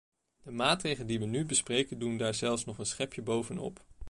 De maatregelen die wij nu bespreken doen daar zelfs nog een schepje bovenop.